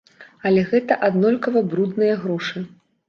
Але гэта аднолькава брудныя грошы.